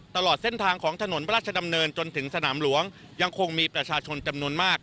ตลอดเส้นทางของถนนพระราชดำเนินจนถึงสนามหลวงยังคงมีประชาชนจำนวนมาก